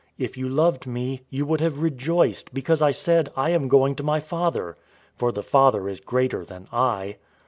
If you loved me, you would have rejoiced, because I said 'I am going to my Father;' for the Father is greater than I.